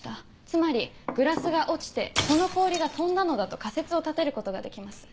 つまりグラスが落ちてその氷が飛んだのだと仮説を立てることができます。